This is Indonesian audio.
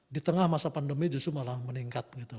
di tengah masa pandemi justru malah meningkat gitu